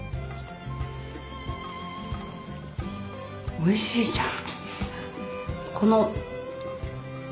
おいしいじゃん！